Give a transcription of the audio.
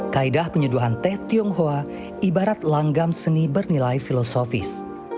kaedah penyeduhan teh tionghoa ibarat langgam seni bernilai filosofis